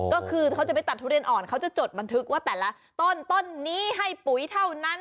ก็คือเขาจะไปตัดทุเรียนอ่อนเขาจะจดบันทึกว่าแต่ละต้นต้นนี้ให้ปุ๋ยเท่านั้น